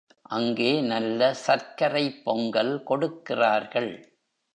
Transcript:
அங்கே நல்ல சர்க்கரைப் பொங்கல் கொடுக்கிறார்கள்.